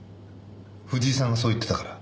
藤井さんがそう言ってたから？